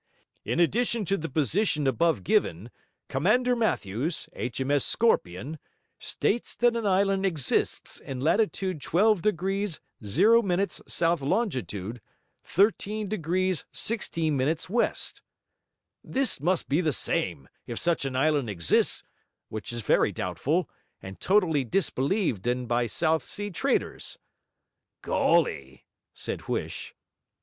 In addition to the position above given Commander Matthews, H.M.S. Scorpion, states that an island exists in lat. 12 degrees 0' S. long. 13 degrees 16' W. This must be the same, if such an island exists, which is very doubtful, and totally disbelieved in by South Sea traders.' 'Golly!' said Huish.